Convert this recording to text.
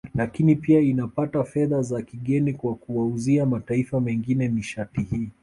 Lakini pia inapata fedha za kigeni kwa kuwauzia mataifa mengine nishati hii